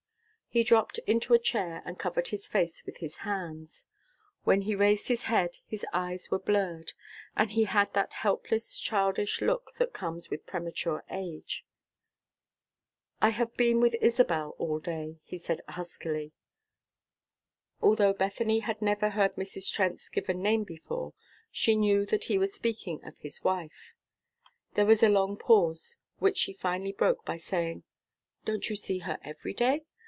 He dropped into a chair and covered his face with his hands. When he raised his head his eyes were blurred, and he had that helpless, childish look that comes with premature age. "I have been with Isabel all day," he said, huskily. Although Bethany had never heard Mrs. Trent's given name before, she knew that he was speaking of his wife. There was a long pause, which she finally broke by saying, "Don't you see her every day?